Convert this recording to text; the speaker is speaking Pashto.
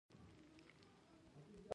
پلو او سپرو منډې وهلې.